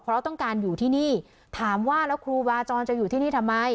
เพราะต้องการอยู่ที่นี่ถามว่าแล้วครูบาจรจะอยู่ที่นี่ทำไม